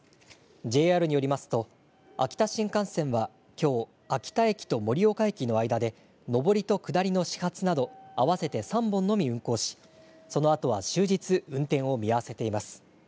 ＪＲによりますと秋田新幹線はきょう秋田駅と盛岡駅の間で上りと下りの始発など合わせて３本のみ運行し、そのあとは終日運転を見合わせています。